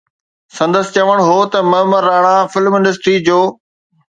سندس چوڻ هو ته معمر رانا فلم انڊسٽري جو